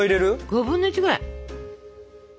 ５分の１くらい。